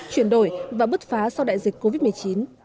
chuyển đổi và bứt phá sau đại dịch covid một mươi chín